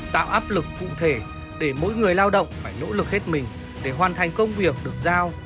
tạo áp lực cụ thể để mỗi người lao động phải nỗ lực hết mình để hoàn thành công việc được giao